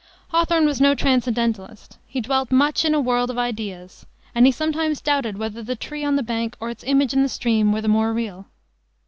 Hawthorne was no transcendentalist. He dwelt much in a world of ideas, and he sometimes doubted whether the tree on the bank or its image in the stream were the more real.